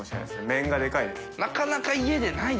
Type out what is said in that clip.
面がでかいです。